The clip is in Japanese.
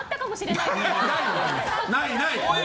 ない、ない。